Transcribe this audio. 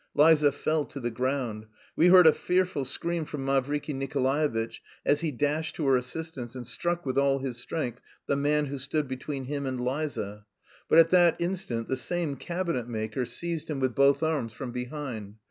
Liza fell to the ground. We heard a fearful scream from Mavriky Nikolaevitch as he dashed to her assistance and struck with all his strength the man who stood between him and Liza. But at that instant the same cabinetmaker seized him with both arms from behind.